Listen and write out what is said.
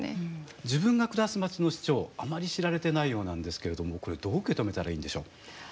自分が暮らすまちの首長あまり知られてないようなんですけれどもこれどう受け止めたらいいんでしょう。